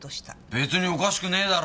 別におかしくねえだろ。